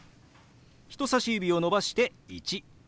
人さし指を伸ばして「１」。